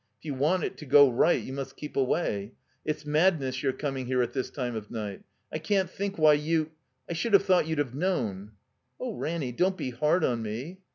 If you want it to go right you must keep away. It's madness your coming here at this time of night. I can't think why you — ^I should have thought you'd have known —" *'0h, Ranny, don't be hard on me."